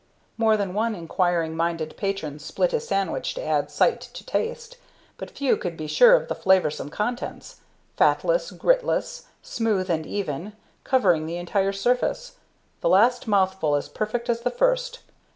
More than one inquiring minded patron split his sandwich to add sight to taste, but few could be sure of the flavorsome contents, fatless, gritless, smooth and even, covering the entire surface, the last mouthful as perfect as the first.